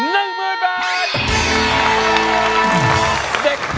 ร้องได้ให้ร้อง